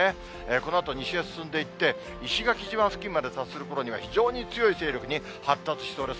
このあと、西へ進んでいって、石垣島付近まで達するころには、非常に強い勢力に発達しそうです。